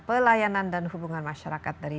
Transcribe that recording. pelayanan dan hubungan masyarakat dari